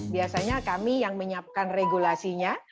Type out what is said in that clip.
biasanya kami yang menyiapkan regulasinya